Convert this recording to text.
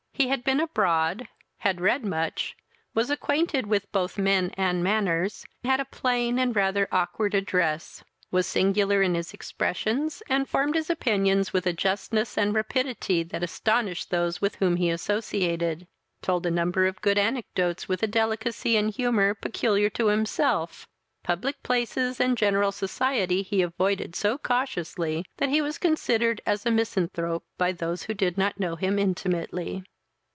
He had been abroad, had read much, was acquainted with both men and manners, had a plain and rather awkward address, was singular in his expressions, and formed his opinions with a justness and rapidity that astonished those with whom he associated; told a number of good anecdotes with a delicacy and humour peculiar to himself; public places and general society he avoided so cautiously, that he was considered as a misanthrope by those who did not know him intimately.